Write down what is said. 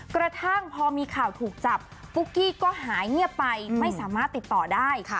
กระทั่งพอมีข่าวถูกจับปุ๊กกี้ก็หายเงียบไปไม่สามารถติดต่อได้